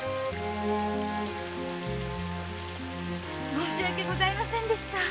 申し訳ございませんでした。